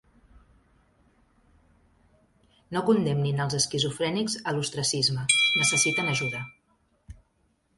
No condemnin els esquizofrènics a l'ostracisme, necessiten ajuda.